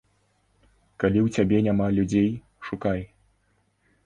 Калі ў цябе няма людзей, шукай.